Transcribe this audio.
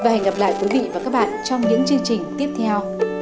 hẹn gặp lại quý vị và các bạn trong những chương trình tiếp theo